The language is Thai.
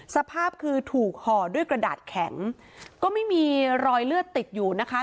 สภาพคือถูกห่อด้วยกระดาษแข็งก็ไม่มีรอยเลือดติดอยู่นะคะ